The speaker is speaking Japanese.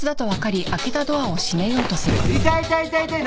痛い痛い痛い痛い！